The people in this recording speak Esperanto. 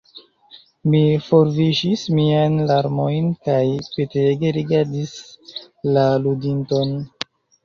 Mi forviŝis miajn larmojn kaj petege rigardis la ludinton.